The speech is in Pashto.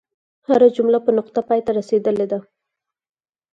هره جمله په نقطه پای ته رسیدلې ده.